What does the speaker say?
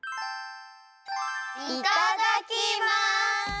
いただきます！